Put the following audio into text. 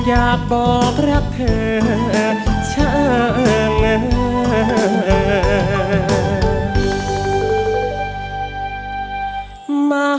อยากบอกรักเธอช่าง